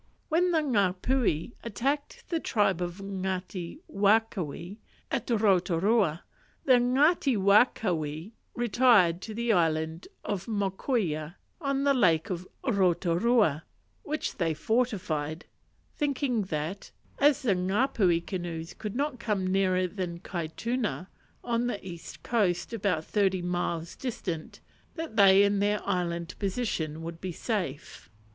When the Ngapuhi attacked the tribe of Ngati Wakawe, at Rotorua, the Ngati Wakawe retired to the island of Mokoia in the lake of Rotorua, which they fortified; thinking that, as the Ngapuhi canoes could not come nearer than Kaituna on the east coast, about thirty miles distant, that they in their island position would be safe.